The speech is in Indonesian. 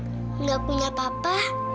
adek gak punya papa